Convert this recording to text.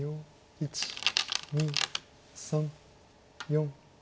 １２３４。